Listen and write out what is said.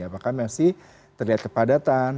apakah masih terlihat kepadatan